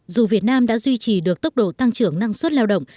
dù việt nam đã duy trì được tốc độ tăng trưởng năng suất lao động